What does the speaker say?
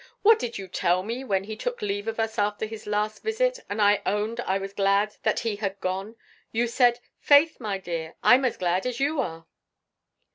What did you tell me when he took leave of us after his last visit, and I owned I was glad that he had gone? You said: 'Faith, my dear, I'm as glad as you are.'"